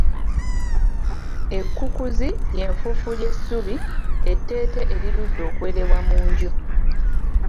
Ekkukuuzi y'enfuufu y'essubi etteete erirudde okwerebwa mu nju .